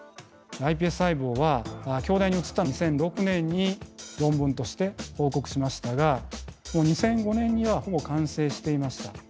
ｉＰＳ細胞は京大に移った２００６年に論文として報告しましたが２００５年にはほぼ完成していました。